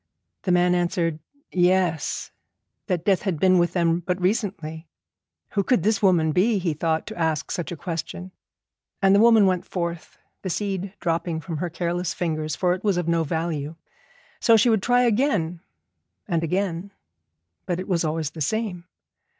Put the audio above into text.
The man answered 'Yes,' that death had been with them but recently. Who could this woman be, he thought, to ask such a question? And the woman went forth, the seed dropping from her careless fingers, for it was of no value. So she would try again and again, but it was always the same.